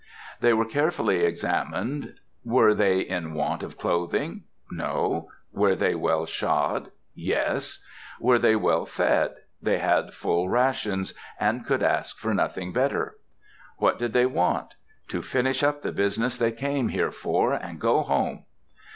They were carefully examined. Were they in want of clothing? No. Were they well shod? Yes. Were they well fed? They had full rations, and could ask for nothing better. What did they want? "To finish up the business they came here for, and go home."